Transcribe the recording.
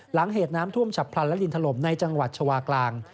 หลังเหตุน้ำท่วมฉับพลันและดินถล่มในจังหวัดชาวากลาง